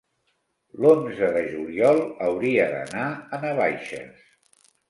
L'onze de juliol hauria d'anar a Navaixes.